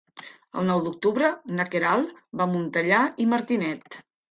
El nou d'octubre na Queralt va a Montellà i Martinet.